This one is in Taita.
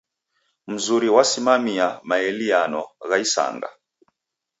Mzuri wasimamia maeliano gha isanga.